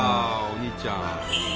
お兄ちゃん。